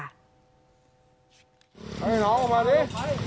ให้น้องออกมาดิ